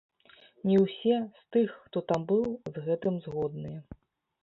Не ўсе, з тых, хто там быў, з гэтым згодныя.